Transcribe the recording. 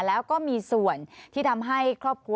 แล้วก็มีส่วนที่ทำให้ครอบครัว